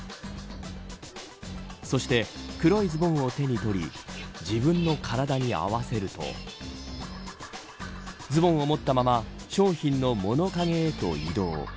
そして黒いズボンを手に取り自分の体に合わせるとズボンを持ったまま商品の物陰へと移動。